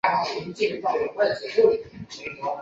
金色代表澳大利亚的国花金合欢。